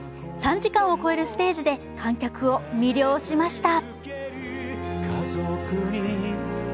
３時間を超えるステージで観客を魅了しました。